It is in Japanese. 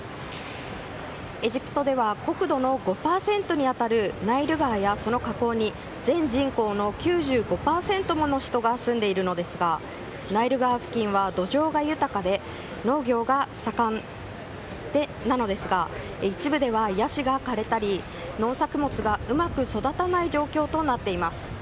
エジプトでは国土の５％に当たるナイル川やその河口に全人口の９５％もの人が住んでいるのですがナイル川付近は土壌が豊かで農業が盛んなのですが一部ではヤシが枯れたり農作物がうまく育たない状況となっています。